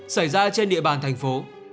xảy ra trên địa bàn thành phố